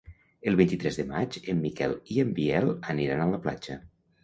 El vint-i-tres de maig en Miquel i en Biel aniran a la platja.